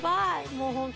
もうホント。